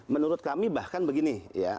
menurut kami bahkan begini